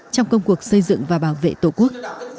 trong công cuộc xây dựng và bảo vệ tổ quốc